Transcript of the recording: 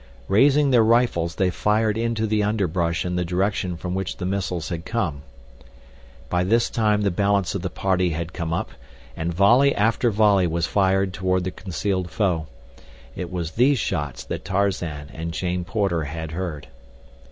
Raising their rifles they fired into the underbrush in the direction from which the missiles had come. By this time the balance of the party had come up, and volley after volley was fired toward the concealed foe. It was these shots that Tarzan and Jane Porter had heard.